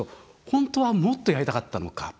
本当はもっとやりたかったのか。